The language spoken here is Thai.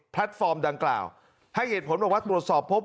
ฟอร์มดังกล่าวให้เหตุผลบอกว่าตรวจสอบพบ